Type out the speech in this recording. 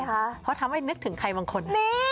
ชอบฤดูฝนใครบางคน